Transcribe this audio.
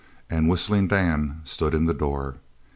And Whistling Dan stood in the door.